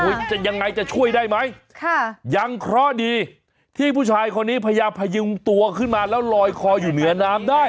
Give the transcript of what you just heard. จะยังไงจะช่วยได้ไหมค่ะยังเคราะห์ดีที่ผู้ชายคนนี้พยายามพยุงตัวขึ้นมาแล้วลอยคออยู่เหนือน้ำได้